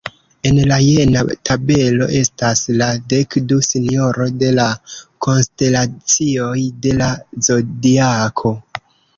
En la jena tabelo estas la dekdu signoj de la konstelacioj de la zodiako.